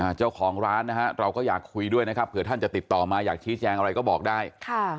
เจ้าของร้านนะฮะเราก็อยากคุยด้วยนะครับเผื่อท่านจะติดต่อมาอยากชี้แจงอะไรก็บอกได้ค่ะ